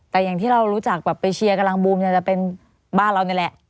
แต่อย่างที่เรารู้จักแบบไปเชียร์กำลังบูมเนี่ยจะเป็นบ้านเรานี่แหละ